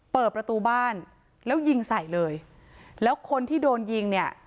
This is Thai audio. เปิดประตูบ้านแล้วยิงใส่เลยแล้วคนที่โดนยิงเนี่ย